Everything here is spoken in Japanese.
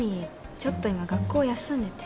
ちょっと今学校休んでて。